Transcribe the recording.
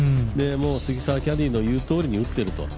杉澤キャディーの言うとおりに打っていると。